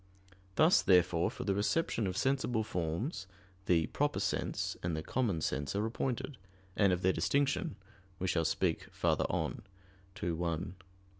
Thus, therefore, for the reception of sensible forms, the "proper sense" and the common sense are appointed, and of their distinction we shall speak farther on (ad 1, 2).